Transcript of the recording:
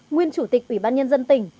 nguyên chủ tịch ủy ban nhân dân tỉnh